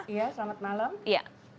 iya selamat malam